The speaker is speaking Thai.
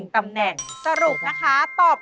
๑ตำแหน่งสรุปนะคะตอบถูก๑ตำแหน่ง